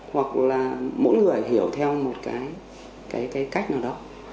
hoặc là mỗi người hiểu theo một cái cách nào đó